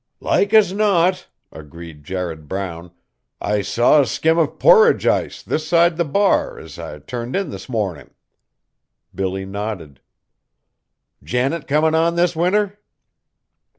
"Like as not!" agreed Jared Brown; "I saw a skim of porridge ice, this side the bar, as I turned in this mornin'." Billy nodded. "Janet comin' on this winter?"